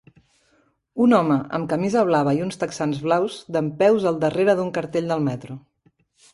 Un home amb camisa blava i uns texans blaus dempeus al darrera d'un cartell del metro.